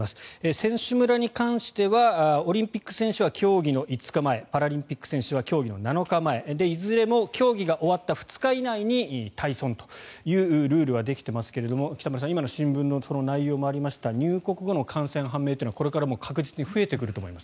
選手村に関してはオリンピック選手は競技の５日前パラリンピック選手は競技の７日前いずれも競技が終わった２日以内に退村というルールはできていますが北村さん、今の新聞にもあった入国後の感染判明はこれからも増えてくると思います。